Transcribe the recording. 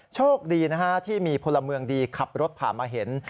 โชคดีนะฮะที่มีพลเมืองดีขับรถผ่านมาเห็น